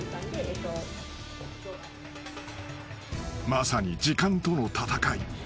［まさに時間との闘い］